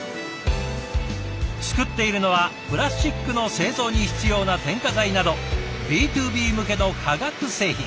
作っているのはプラスチックの製造に必要な添加剤などＢｔｏＢ向けの化学製品。